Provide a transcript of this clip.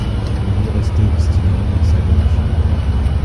Ce nom restait obstinément dans sa gorge.